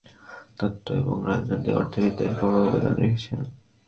তিনি সামাজিক তত্ত্ব, রাজনৈতিক তত্ত্ব এবং রাজনৈতিক অর্থনীতিবিদ্যাতে বড় অবদান রেখেছেন।